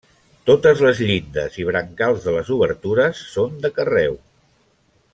Totes les llindes i brancals de les obertures són de carreu.